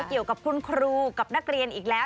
เกี่ยวกับคุณครูกับนักเรียนอีกแล้ว